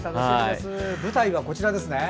舞台はこちらですね。